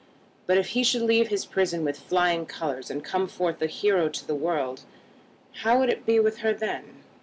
But if he should leave his prison with flying colours, and come forth a hero to the world, how would it be with her then?